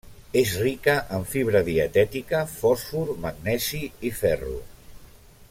És rica en fibra dietètica, fòsfor, magnesi i ferro.